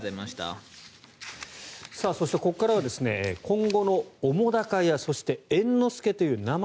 そしてここからは今後の澤瀉屋そして猿之助という名前。